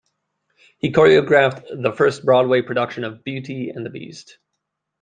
He choreographed the first Broadway production of "Beauty and the Beast".